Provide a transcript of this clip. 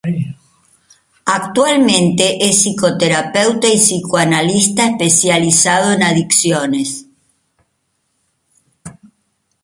Actualmente es psicoterapeuta y psicoanalista especializado en adicciones.